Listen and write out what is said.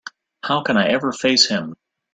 How can I ever face him?